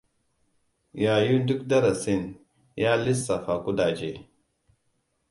Yayin duk darasin, ya lissafa kudaje.